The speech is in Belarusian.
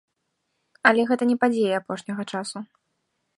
Але гэта не падзеі апошняга часу.